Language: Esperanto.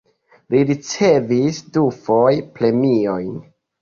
Li ricevis dufoje premiojn.